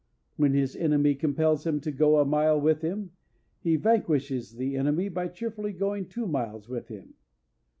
When his enemy compels him to go a mile with him, he vanquishes the enemy by cheerfully going two miles with him.